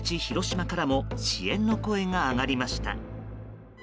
広島からも支援の声が上がりました。